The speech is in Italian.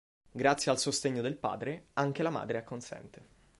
Grazie al sostegno del padre, anche la madre acconsente.